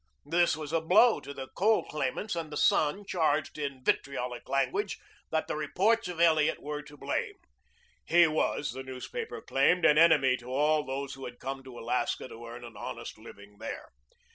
This was a blow to the coal claimants, and the "Sun" charged in vitriolic language that the reports of Elliot were to blame. He was, the newspaper claimed, an enemy to all those who had come to Alaska to earn an honest living there.